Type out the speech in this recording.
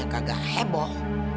berita kagak heboh